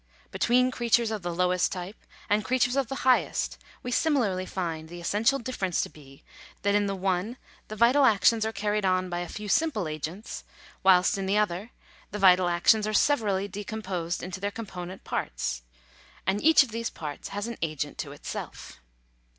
Between creatures of the lowest type, and creatures of the highest, we similarly find the essential difference to be, that in the one the vital actions are carried on by a few simple agents, whilst in the other the vital actions are severally de composed into their component parts, and each of these parts has an agent to itself.